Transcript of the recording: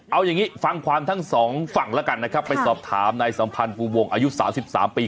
เอาอย่างงี้ฟังความทั้งสองฝั่งแล้วกันนะครับครับไปสอบถามในสัมพันธ์ภูมิวงอายุสามสิบสามปี